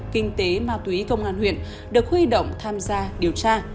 kinh tế ma túy công an huyện được huy động tham gia điều tra